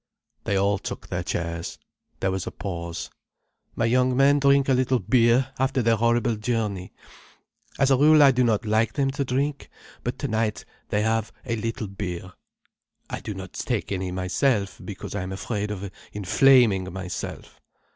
They all took their chairs. There was a pause. "My young men drink a little beer, after their horrible journey. As a rule, I do not like them to drink. But tonight they have a little beer. I do not take any myself, because I am afraid of inflaming myself."